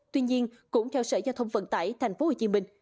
tuy nhiên cũng theo sở giao thông vận tải tp hcm